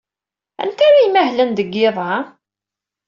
Anti ara imahlen deg yiḍ-a?